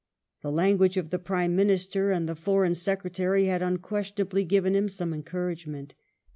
The language of the Prime Minister ^ and the Foreign Secretary had unquestionably given him some encouragement.